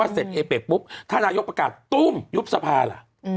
ทหารายกประกาศตู้มยุบสะพาล